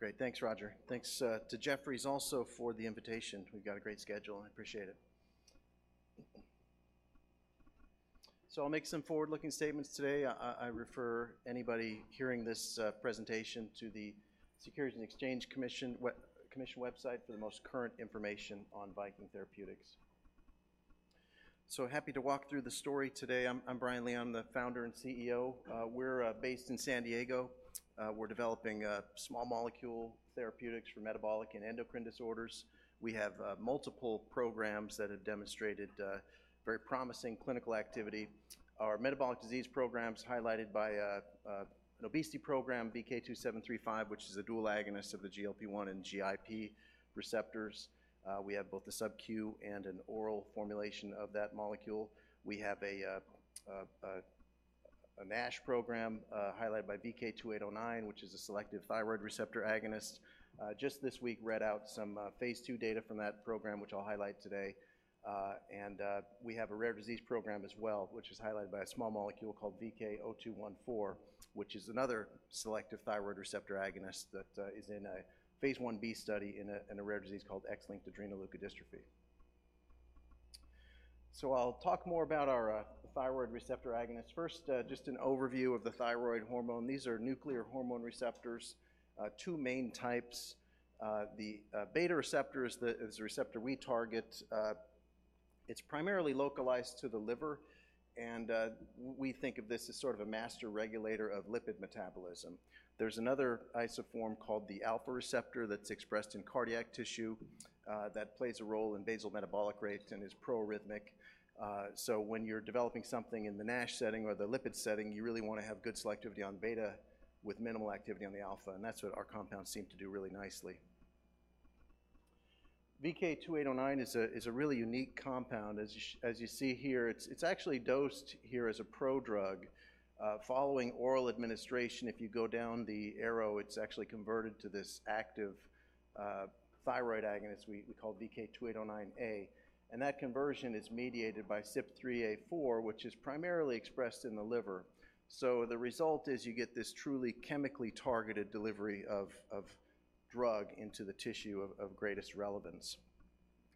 Great. Thanks, Roger. Thanks to Jefferies also for the invitation. We've got a great schedule. I appreciate it. I'll make some forward-looking statements today. I refer anybody hearing this presentation to the Securities and Exchange Commission website for the most current information on Viking Therapeutics. Happy to walk through the story today. I'm Brian Lian, the founder and CEO. We're based in San Diego. We're developing small molecule therapeutics for metabolic and endocrine disorders. We have multiple programs that have demonstrated very promising clinical activity. Our metabolic disease program's highlighted by an obesity program, VK2735, which is a dual agonist of the GLP-1 and GIP receptors. We have both a sub-Q and an oral formulation of that molecule. We have a NASH program highlighted by VK2809, which is a selective thyroid receptor agonist. Just this week, we read out some phase 2 data from that program, which I'll highlight today. We have a rare disease program as well, which is highlighted by a small molecule called VK0214, which is another selective thyroid receptor agonist that is in a phase 1b study in a rare disease called X-linked adrenoleukodystrophy. I'll talk more about our thyroid receptor agonists. First, just an overview of the thyroid hormone. These are nuclear hormone receptors, two main types. The beta receptor is the receptor we target. It's primarily localized to the liver, and we think of this as sort of a master regulator of lipid metabolism. There's another isoform called the alpha receptor that's expressed in cardiac tissue that plays a role in basal metabolic rate and is proarrhythmic. So when you're developing something in the NASH setting or the lipid setting, you really want to have good selectivity on beta with minimal activity on the alpha, and that's what our compounds seem to do really nicely. VK2809 is a really unique compound, as you see here. It's actually dosed here as a prodrug. Following oral administration, if you go down the arrow, it's actually converted to this active thyroid agonist we call VK2809A, and that conversion is mediated by CYP3A4, which is primarily expressed in the liver. So the result is you get this truly chemically targeted delivery of drug into the tissue of greatest relevance.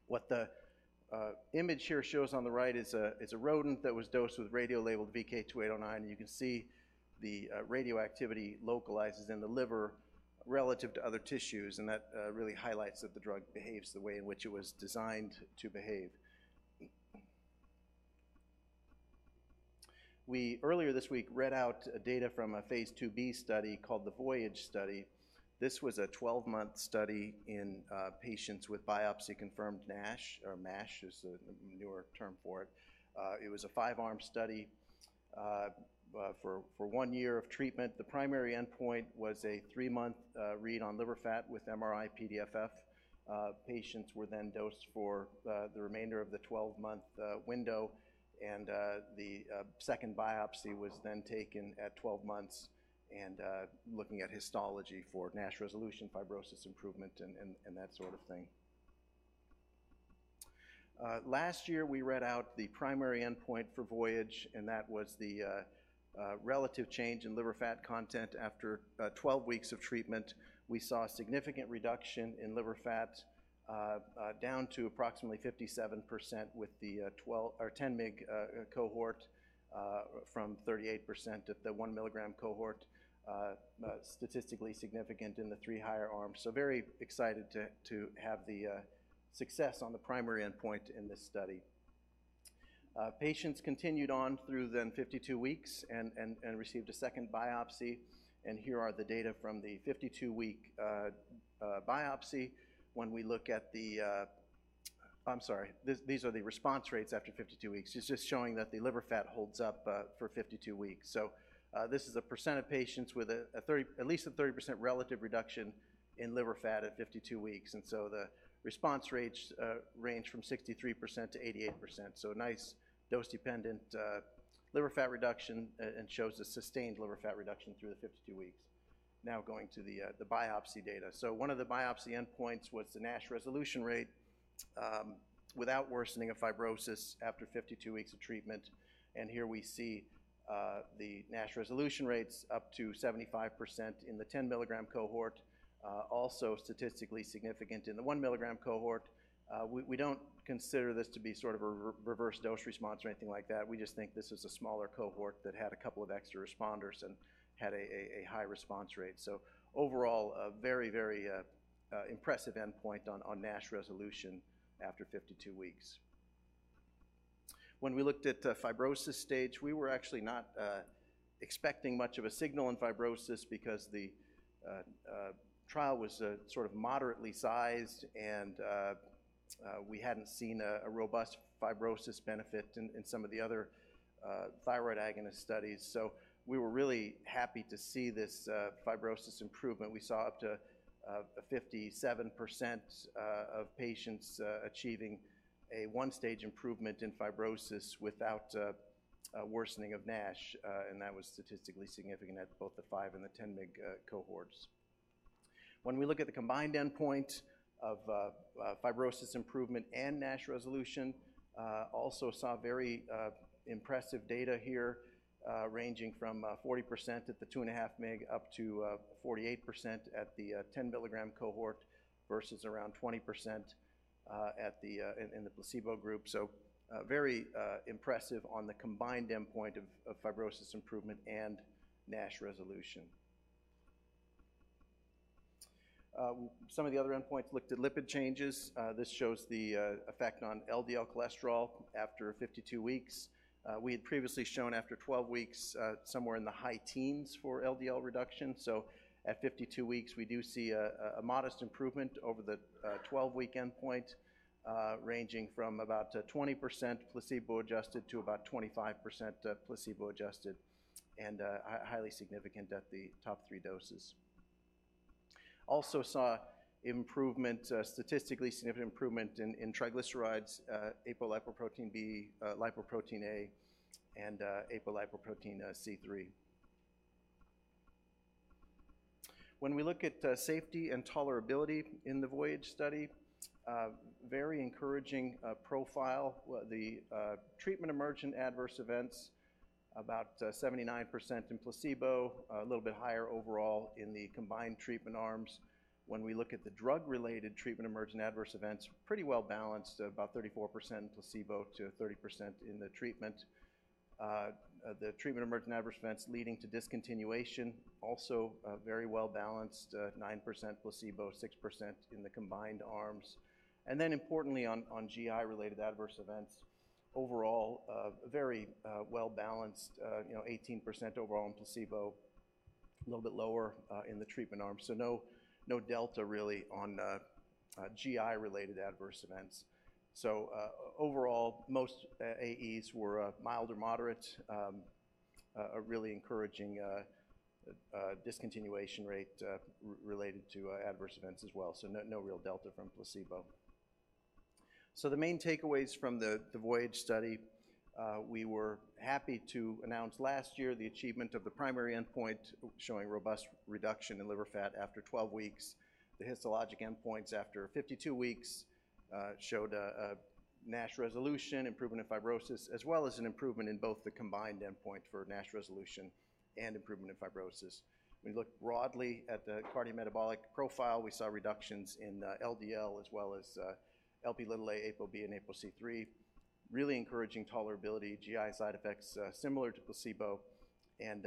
What the image here shows on the right is a rodent that was dosed with radiolabeled VK2809, and you can see the radioactivity localizes in the liver relative to other tissues, and that really highlights that the drug behaves the way in which it was designed to behave. We, earlier this week, read out data from a phase 2b study called the VOYAGE study. This was a 12-month study in patients with biopsy-confirmed NASH, or MASH is the newer term for it. It was a 5-arm study for 1 year of treatment. The primary endpoint was a 3-month read on liver fat with MRI-PDFF. Patients were then dosed for the remainder of the 12-month window, and the second biopsy was then taken at 12 months and looking at histology for NASH resolution, fibrosis improvement, and that sort of thing. Last year, we read out the primary endpoint for VOYAGE, and that was the relative change in liver fat content after 12 weeks of treatment. We saw a significant reduction in liver fat down to approximately 57% with the 10-mg cohort from 38% at the 1-mg cohort, statistically significant in the three higher arms. So very excited to have the success on the primary endpoint in this study. Patients continued on through then 52 weeks and received a second biopsy, and here are the data from the 52-week biopsy when we look at the, I'm sorry, these are the response rates after 52 weeks. It's just showing that the liver fat holds up for 52 weeks. So this is a percent of patients with at least a 30% relative reduction in liver fat at 52 weeks, and so the response rates range from 63%-88%. So nice dose-dependent liver fat reduction and shows a sustained liver fat reduction through the 52 weeks. Now going to the biopsy data. So one of the biopsy endpoints was the NASH resolution rate without worsening of fibrosis after 52 weeks of treatment, and here we see the NASH resolution rates up to 75% in the 10-mg cohort, also statistically significant in the 1-mg cohort. We don't consider this to be sort of a reverse dose-response or anything like that. We just think this is a smaller cohort that had a couple of extra responders and had a high response rate. So overall, a very, very impressive endpoint on NASH resolution after 52 weeks. When we looked at fibrosis stage, we were actually not expecting much of a signal in fibrosis because the trial was sort of moderately sized, and we hadn't seen a robust fibrosis benefit in some of the other thyroid agonist studies. So we were really happy to see this fibrosis improvement. We saw up to 57% of patients achieving a one-stage improvement in fibrosis without worsening of NASH, and that was statistically significant at both the 5- and 10-mg cohorts. When we look at the combined endpoint of fibrosis improvement and NASH resolution, also saw very impressive data here ranging from 40% at the 2.5-mg up to 48% at the 10-mg cohort versus around 20% in the placebo group. So very impressive on the combined endpoint of fibrosis improvement and NASH resolution. Some of the other endpoints looked at lipid changes. This shows the effect on LDL cholesterol after 52 weeks. We had previously shown after 12 weeks somewhere in the high teens for LDL reduction. So at 52 weeks, we do see a modest improvement over the 12-week endpoint, ranging from about 20%-25% placebo-adjusted, and highly significant at the top three doses. Also saw statistically significant improvement in triglycerides, apolipoprotein B, lipoprotein(a), and apolipoprotein C3. When we look at safety and tolerability in the VOYAGE study, very encouraging profile. The treatment-emergent adverse events, about 79% in placebo, a little bit higher overall in the combined treatment arms. When we look at the drug-related treatment-emergent adverse events, pretty well balanced, about 34% in placebo to 30% in the treatment. The treatment-emergent adverse events leading to discontinuation, also very well balanced, 9% placebo, 6% in the combined arms. And then, importantly, on GI-related adverse events, overall very well balanced, 18% overall in placebo, a little bit lower in the treatment arms. So no delta really on GI-related adverse events. So overall, most AEs were mild or moderate, a really encouraging discontinuation rate related to adverse events as well. So no real delta from placebo. So the main takeaways from the VOYAGE study, we were happy to announce last year the achievement of the primary endpoint showing robust reduction in liver fat after 12 weeks. The histologic endpoints after 52 weeks showed NASH resolution, improvement in fibrosis, as well as an improvement in both the combined endpoint for NASH resolution and improvement in fibrosis. When you look broadly at the cardiometabolic profile, we saw reductions in LDL as well as Lp(a) and ApoB and ApoC-III, really encouraging tolerability, GI side effects similar to placebo, and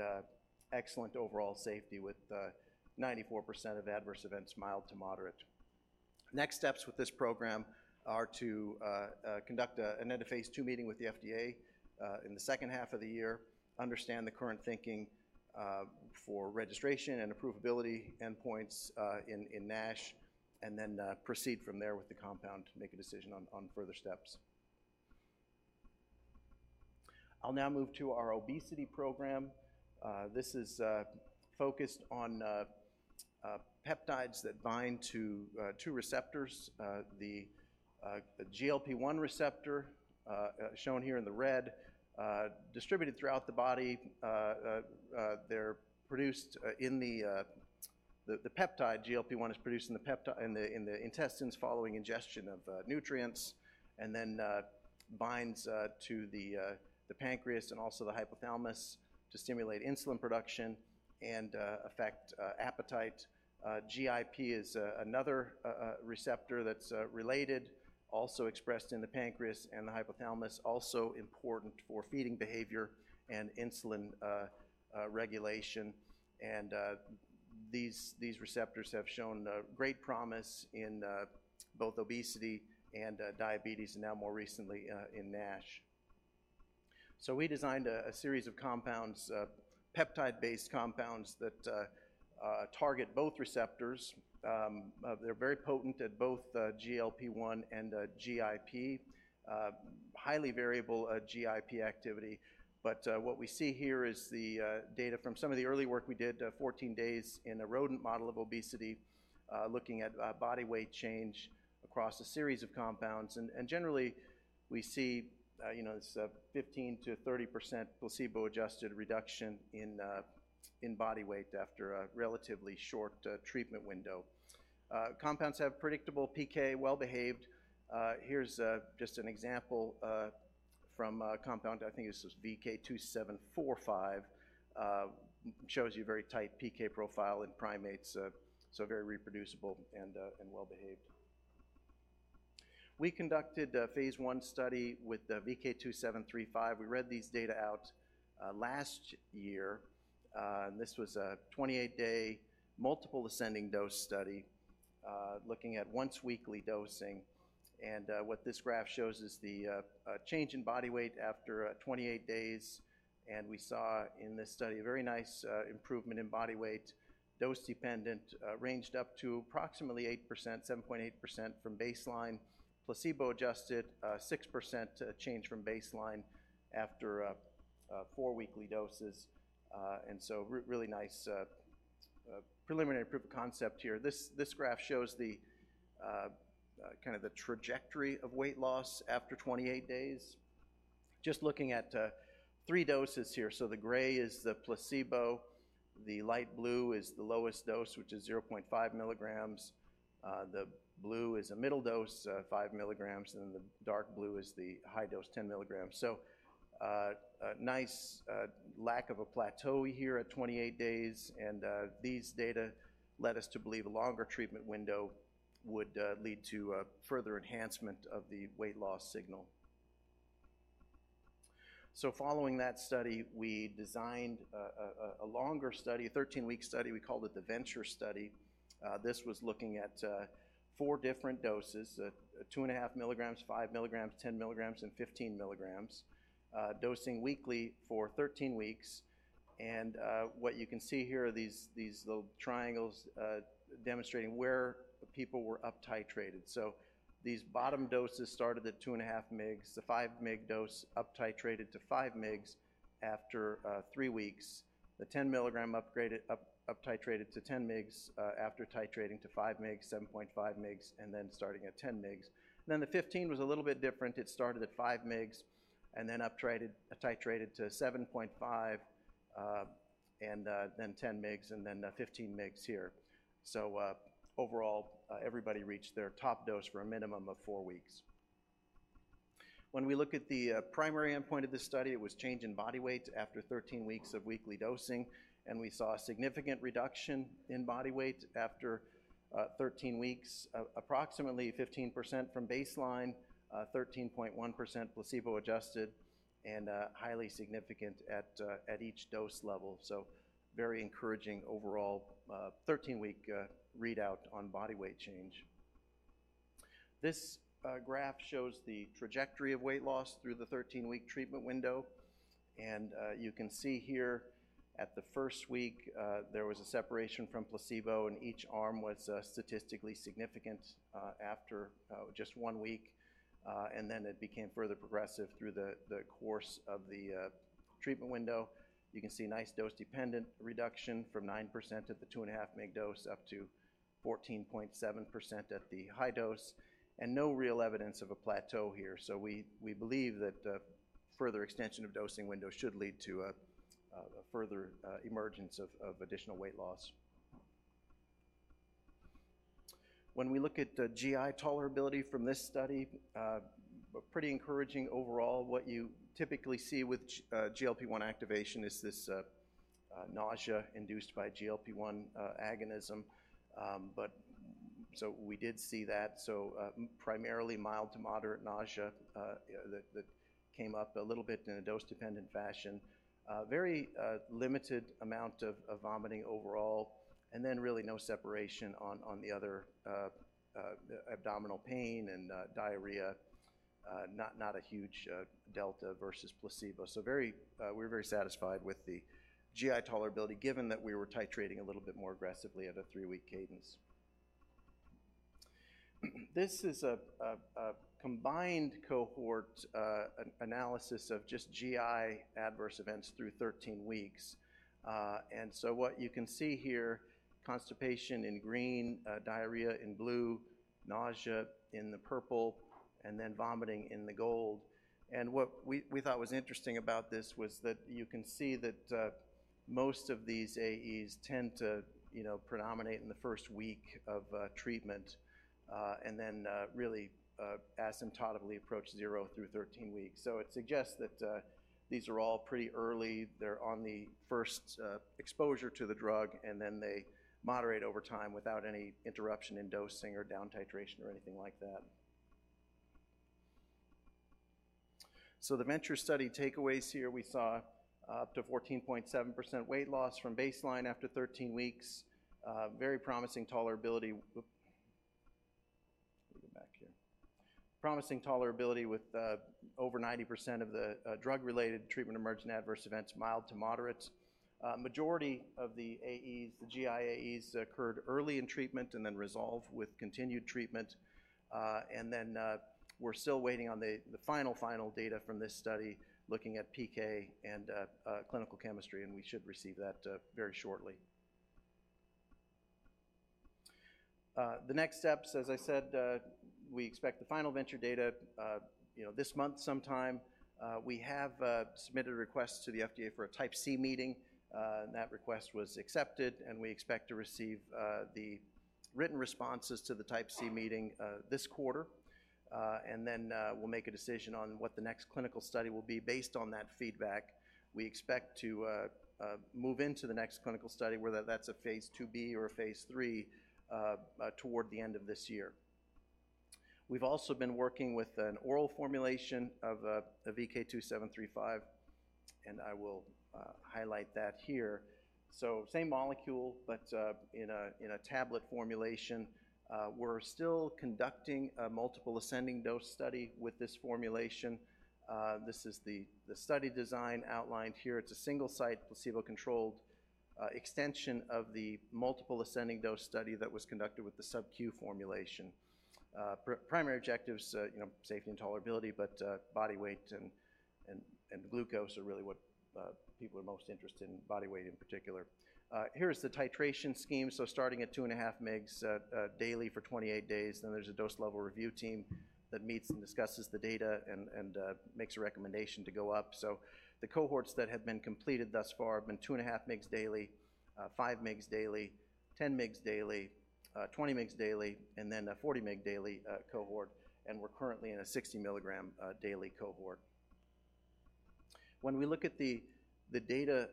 excellent overall safety with 94% of adverse events mild to moderate. Next steps with this program are to conduct an End-of-Phase 2 meeting with the FDA in the second half of the year, understand the current thinking for registration and approvability endpoints in NASH, and then proceed from there with the compound to make a decision on further steps. I'll now move to our obesity program. This is focused on peptides that bind to two receptors. The GLP-1 receptor, shown here in the red, distributed throughout the body. They're produced in the peptide. GLP-1 is produced in the intestines following ingestion of nutrients and then binds to the pancreas and also the hypothalamus to stimulate insulin production and affect appetite. GIP is another receptor that's related, also expressed in the pancreas and the hypothalamus, also important for feeding behavior and insulin regulation. These receptors have shown great promise in both obesity and diabetes, and now more recently in NASH. We designed a series of compounds, peptide-based compounds that target both receptors. They're very potent at both GLP-1 and GIP, highly variable GIP activity. What we see here is the data from some of the early work we did, 14 days in a rodent model of obesity, looking at body weight change across a series of compounds. Generally, we see 15%-30% placebo-adjusted reduction in body weight after a relatively short treatment window. Compounds have predictable PK, well-behaved. Here's just an example from a compound, I think this was VK2745, shows you a very tight PK profile in primates, so very reproducible and well-behaved. We conducted a phase 1 study with VK2735. We read these data out last year, and this was a 28-day multiple ascending dose study looking at once-weekly dosing. What this graph shows is the change in body weight after 28 days, and we saw in this study a very nice improvement in body weight, dose-dependent, ranged up to approximately 8%, 7.8% from baseline, placebo-adjusted 6% change from baseline after four weekly doses. So really nice preliminary proof of concept here. This graph shows kind of the trajectory of weight loss after 28 days. Just looking at three doses here, so the gray is the placebo, the light blue is the lowest dose, which is 0.5 milligrams, the blue is a middle dose, 5 milligrams, and then the dark blue is the high dose, 10 milligrams. So nice lack of a plateau here at 28 days, and these data led us to believe a longer treatment window would lead to further enhancement of the weight loss signal. So following that study, we designed a longer study, a 13-week study. We called it the Venture study. This was looking at four different doses: 2.5 milligrams, 5 milligrams, 10 milligrams, and 15 milligrams, dosing weekly for 13 weeks. And what you can see here are these little triangles demonstrating where people were up-titrated. So these bottom doses started at 2.5 mg, the 5-mg dose up-titrated to 5 mg after 3 weeks, the 10-mg up-titrated to 10 mg after titrating to 5 mg, 7.5 mg, and then starting at 10 mg. Then the 15 was a little bit different. It started at 5 mg and then up-titrated to 7.5, and then 10 mg, and then 15 mg here. So overall, everybody reached their top dose for a minimum of 4 weeks. When we look at the primary endpoint of this study, it was change in body weight after 13 weeks of weekly dosing, and we saw a significant reduction in body weight after 13 weeks, approximately 15% from baseline, 13.1% placebo-adjusted, and highly significant at each dose level. So very encouraging overall 13-week readout on body weight change. This graph shows the trajectory of weight loss through the 13-week treatment window, and you can see here at the first week, there was a separation from placebo, and each arm was statistically significant after just one week, and then it became further progressive through the course of the treatment window. You can see nice dose-dependent reduction from 9% at the 2.5-mg dose up to 14.7% at the high dose, and no real evidence of a plateau here. So we believe that further extension of dosing window should lead to a further emergence of additional weight loss. When we look at GI tolerability from this study, pretty encouraging overall. What you typically see with GLP-1 activation is this nausea induced by GLP-1 agonism, but so we did see that. So primarily mild to moderate nausea that came up a little bit in a dose-dependent fashion, very limited amount of vomiting overall, and then really no separation on the other abdominal pain and diarrhea, not a huge delta versus placebo. So we were very satisfied with the GI tolerability given that we were titrating a little bit more aggressively at a 3-week cadence. This is a combined cohort analysis of just GI adverse events through 13 weeks. And so what you can see here, constipation in green, diarrhea in blue, nausea in the purple, and then vomiting in the gold. And what we thought was interesting about this was that you can see that most of these AEs tend to predominate in the first week of treatment and then really asymptotically approach 0 through 13 weeks. So it suggests that these are all pretty early. They're on the first exposure to the drug, and then they moderate over time without any interruption in dosing or down titration or anything like that. So the Venture study takeaways here, we saw up to 14.7% weight loss from baseline after 13 weeks, very promising tolerability. Let me go back here. Promising tolerability with over 90% of the drug-related treatment-emergent adverse events, mild to moderate. Majority of the GI AEs occurred early in treatment and then resolved with continued treatment. And then we're still waiting on the final, final data from this study looking at PK and clinical chemistry, and we should receive that very shortly. The next steps, as I said, we expect the final Venture data this month sometime. We have submitted a request to the FDA for a Type C meeting, and that request was accepted, and we expect to receive the written responses to the Type C meeting this quarter. Then we'll make a decision on what the next clinical study will be based on that feedback. We expect to move into the next clinical study, whether that's a phase 2b or a phase 3, toward the end of this year. We've also been working with an oral formulation of VK2735, and I will highlight that here. Same molecule, but in a tablet formulation. We're still conducting a multiple ascending dose study with this formulation. This is the study design outlined here. It's a single-site placebo-controlled extension of the multiple ascending dose study that was conducted with the sub-Q formulation. Primary objectives, safety and tolerability, but body weight and glucose are really what people are most interested in, body weight in particular. Here is the titration scheme. So starting at 2.5 mg daily for 28 days, then there's a dose-level review team that meets and discusses the data and makes a recommendation to go up. So the cohorts that have been completed thus far have been 2.5 mg daily, 5 mg daily, 10 mg daily, 20 mg daily, and then a 40 mg daily cohort. And we're currently in a 60-mg daily cohort. When we look at the data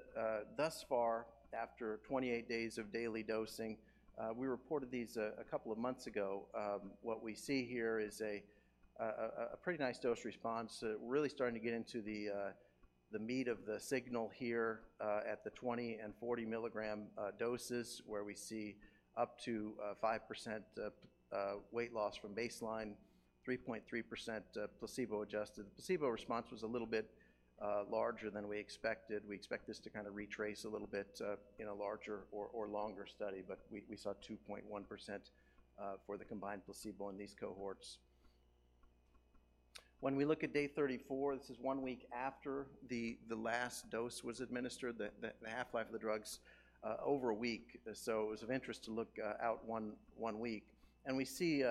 thus far after 28 days of daily dosing, we reported these a couple of months ago. What we see here is a pretty nice dose response. We're really starting to get into the meat of the signal here at the 20- and 40-mg doses, where we see up to 5% weight loss from baseline, 3.3% placebo-adjusted. The placebo response was a little bit larger than we expected. We expect this to kind of retrace a little bit in a larger or longer study, but we saw 2.1% for the combined placebo in these cohorts. When we look at day 34, this is one week after the last dose was administered, the half-life of the drug's over a week. So it was of interest to look out one week. And we see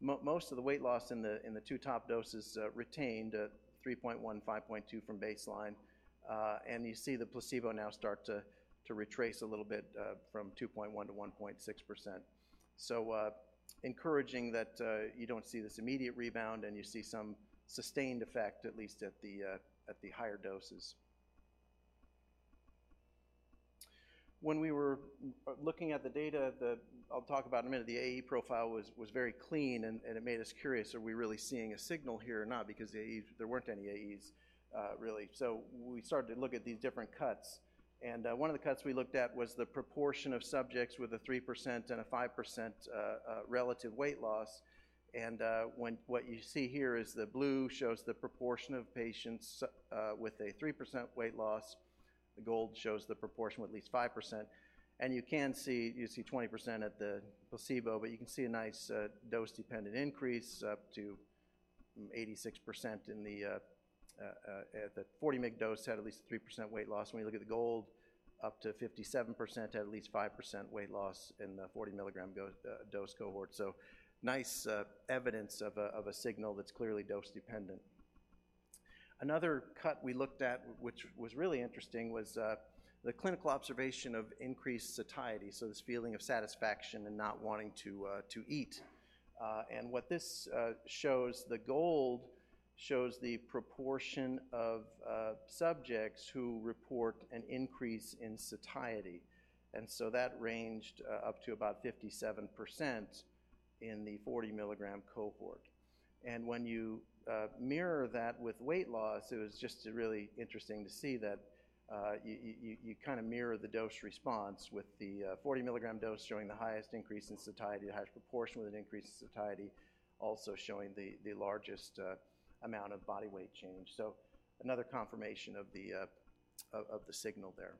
most of the weight loss in the two top doses retained, 3.1% and 5.2% from baseline. And you see the placebo now start to retrace a little bit from 2.1% to 1.6%. So encouraging that you don't see this immediate rebound, and you see some sustained effect, at least at the higher doses. When we were looking at the data, I'll talk about in a minute, the AE profile was very clean, and it made us curious, are we really seeing a signal here or not, because there weren't any AEs really. So we started to look at these different cuts. And one of the cuts we looked at was the proportion of subjects with a 3% and a 5% relative weight loss. And what you see here is the blue shows the proportion of patients with a 3% weight loss. The gold shows the proportion with at least 5%. You can see you see 20% at the placebo, but you can see a nice dose-dependent increase up to 86% in the 40-mg dose had at least 3% weight loss. When you look at the graph, up to 57% had at least 5% weight loss in the 40-mg dose cohort. So nice evidence of a signal that's clearly dose-dependent. Another cut we looked at, which was really interesting, was the clinical observation of increased satiety, so this feeling of satisfaction and not wanting to eat. And what this shows, the graph shows the proportion of subjects who report an increase in satiety. And so that ranged up to about 57% in the 40-mg cohort. And when you mirror that with weight loss, it was just really interesting to see that you kind of mirror the dose response with the 40-mg dose showing the highest increase in satiety, the highest proportion with an increase in satiety, also showing the largest amount of body weight change. So another confirmation of the signal there.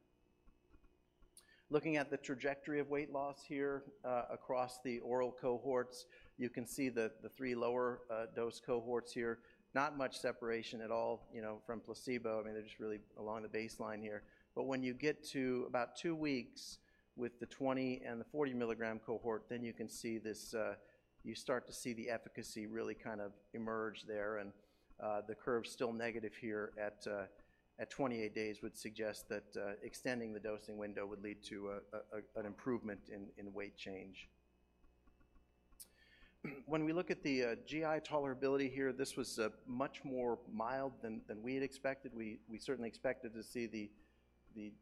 Looking at the trajectory of weight loss here across the oral cohorts, you can see the three lower dose cohorts here, not much separation at all from placebo. I mean, they're just really along the baseline here. But when you get to about two weeks with the 20 and the 40-mg cohort, then you can see this you start to see the efficacy really kind of emerge there. And the curve's still negative here at 28 days would suggest that extending the dosing window would lead to an improvement in weight change. When we look at the GI tolerability here, this was much more mild than we had expected. We certainly expected to see the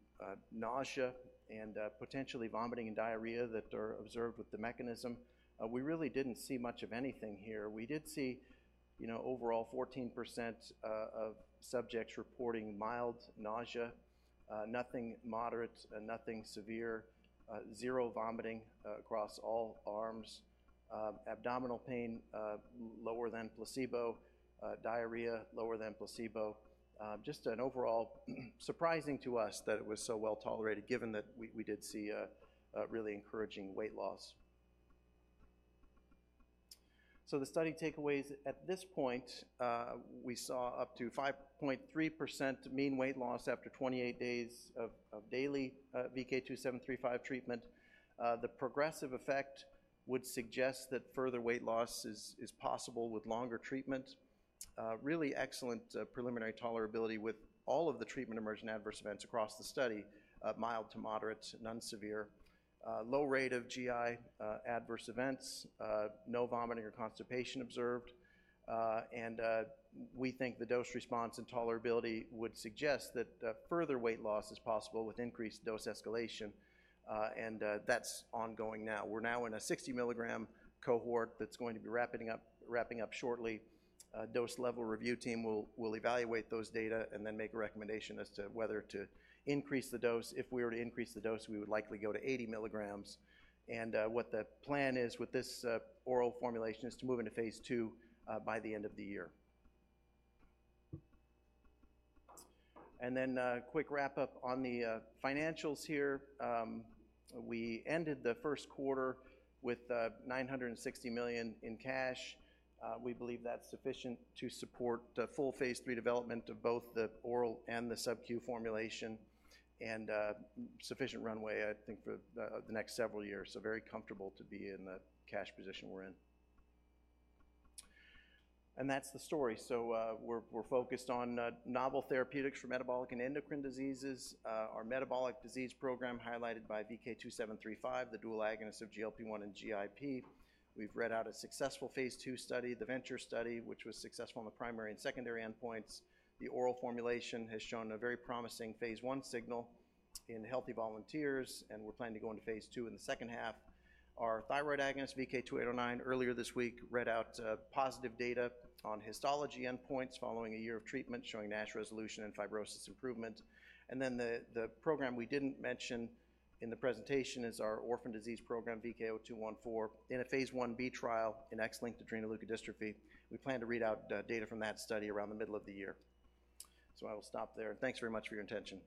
nausea and potentially vomiting and diarrhea that are observed with the mechanism. We really didn't see much of anything here. We did see overall 14% of subjects reporting mild nausea, nothing moderate, nothing severe, zero vomiting across all arms, abdominal pain lower than placebo, diarrhea lower than placebo. Just an overall surprising to us that it was so well tolerated, given that we did see really encouraging weight loss. So the study takeaways at this point, we saw up to 5.3% mean weight loss after 28 days of daily VK2735 treatment. The progressive effect would suggest that further weight loss is possible with longer treatment. Really excellent preliminary tolerability with all of the treatment-emergent adverse events across the study, mild to moderate, none severe. Low rate of GI adverse events, no vomiting or constipation observed. We think the dose response and tolerability would suggest that further weight loss is possible with increased dose escalation. That's ongoing now. We're now in a 60-mg cohort that's going to be wrapping up shortly. Dose-level review team will evaluate those data and then make a recommendation as to whether to increase the dose. If we were to increase the dose, we would likely go to 80 mg. What the plan is with this oral formulation is to move into phase 2 by the end of the year. Then a quick wrap-up on the financials here. We ended the first quarter with $960 million in cash. We believe that's sufficient to support full phase 3 development of both the oral and the sub-Q formulation and sufficient runway, I think, for the next several years. Very comfortable to be in the cash position we're in. That's the story. We're focused on novel therapeutics for metabolic and endocrine diseases. Our metabolic disease program highlighted by VK2735, the dual agonist of GLP-1 and GIP. We've read out a successful phase 2 study, the Venture study, which was successful in the primary and secondary endpoints. The oral formulation has shown a very promising phase 1 signal in healthy volunteers, and we're planning to go into phase 2 in the second half. Our thyroid agonist, VK2809, earlier this week read out positive data on histology endpoints following a year of treatment, showing NASH resolution and fibrosis improvement. Then the program we didn't mention in the presentation is our orphan disease program, VK0214, in a phase 1B trial in X-linked adrenoleukodystrophy. We plan to read out data from that study around the middle of the year. So I will stop there. Thanks very much for your attention.